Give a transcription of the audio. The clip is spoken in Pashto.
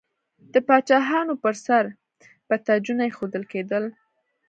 د پاچاهانو پر سر به تاجونه ایښودل کیدل.